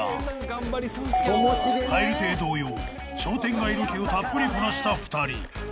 ［蛙亭同様商店街ロケをたっぷりこなした２人］